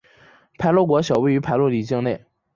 排路国小位于排路里境内。